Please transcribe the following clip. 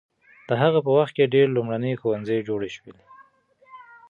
د هغه په وخت کې ډېر لومړني ښوونځي جوړ شول.